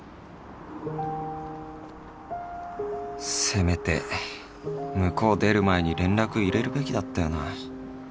せめて向こう出る前に連絡入れるべきだったよな